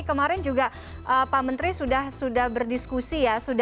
kemarin juga pak menteri sudah berdiskusi ya